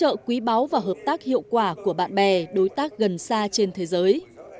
hỗ trợ quý báu và hợp tác hiệu quả của bạn bè đối tác gần xa trên thế giới